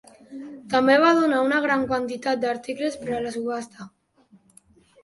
També va donar una gran quantitat d'articles per a la subhasta.